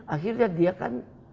akhirnya dia kan